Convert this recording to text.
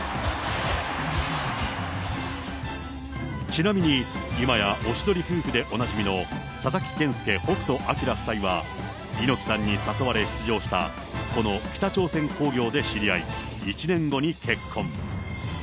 ちなみに、今やおしどり夫婦でおなじみの佐々木健介・北斗晶夫妻は、猪木さんに誘われ出場した、この北朝鮮興行で知り合い、１年後に結婚。